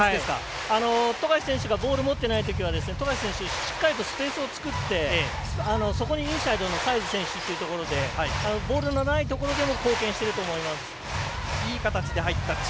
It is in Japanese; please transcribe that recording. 富樫選手、ボール持っていないときは富樫選手はスペースを作ってそこにインサイドのサイズ選手でボールのないところでも貢献してると思います。